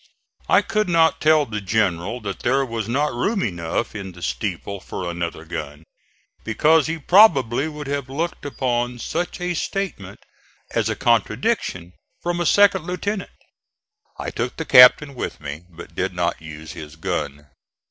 I could not tell the General that there was not room enough in the steeple for another gun, because he probably would have looked upon such a statement as a contradiction from a second lieutenant. I took the captain with me, but did not use his gun.